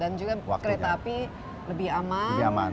dan juga kereta api lebih aman